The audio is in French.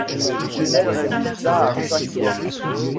Le tunnel résista à chaque fois.